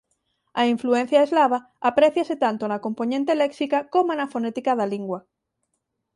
A influencia eslava apréciase tanto na compoñente léxica coma na fonética da lingua.